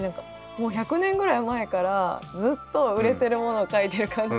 もう１００年ぐらい前からずっと売れてるものを書いてる感じがしたから。